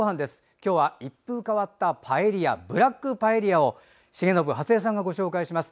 今日は一風変わったパエリアブラックパエリアを重信初江さんがご紹介します。